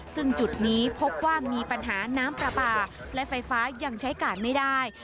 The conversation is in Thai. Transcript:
ซึ่งจุดนี้พบว่ามีปัญหาน้ำปลาปลาและไฟฟ้ายังใช้การไม่ได้